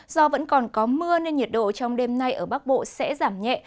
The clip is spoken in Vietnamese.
do vẫn còn có mưa nên nhiệt độ trong đêm nay ở bắc bộ sẽ giảm nhẹ